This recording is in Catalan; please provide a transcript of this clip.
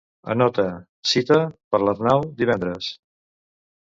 Anota "cita per l'Arnau" divendres.